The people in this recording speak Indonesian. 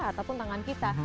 ataupun tangan kita